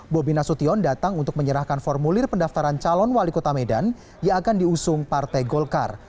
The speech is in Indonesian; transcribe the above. bobi nasution datang untuk menyerahkan formulir pendaftaran calon wali kota medan yang akan diusung partai golkar